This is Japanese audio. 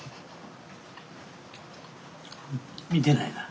見てないな。